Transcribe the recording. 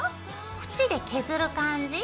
縁で削る感じ。